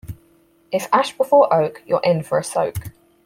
If ash before oak, you're in for a soak.